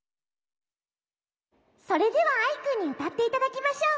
それではアイくんにうたっていただきましょう。